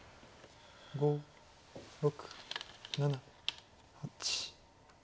５６７８。